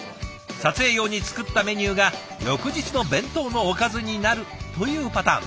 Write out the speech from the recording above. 撮影用に作ったメニューが翌日の弁当のおかずになるというパターン。